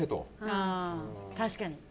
ああ確かに。